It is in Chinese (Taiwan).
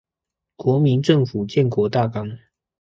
國民政府建國大綱